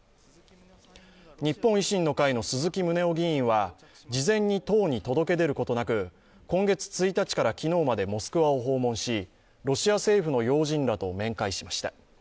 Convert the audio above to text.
日本維新の会の鈴木宗男議員は事前に党に届け出ることなく今月１日から昨日までモスクワを訪問しロシア政府の要人らと面会しました。